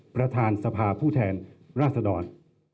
ประถานสภาพผู้แทนรัฐศดร